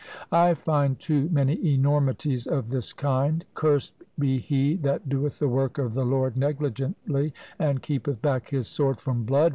I find too many enormities of this kind. "Cursed be he that doeth the work of the Lord negligently, and keepeth back his sword from blood!"